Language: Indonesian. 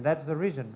dan itulah alasan